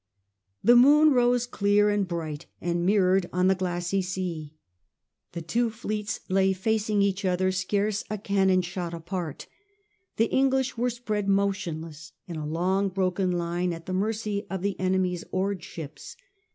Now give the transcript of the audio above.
The moon rose clear and bright, and, mirrored on the glassy sea, the two fleets lay facing each other scarce a cannon shot apart The English were spread motionless in a long broken line at the mercy of the enemy's oared ships.